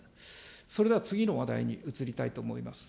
それでは次の話題に移りたいと思います。